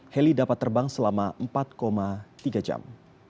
heli dapat terbang selama empat tiga jam